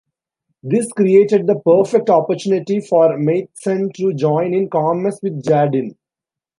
This created the perfect opportunity for Matheson to join in commerce with Jardine.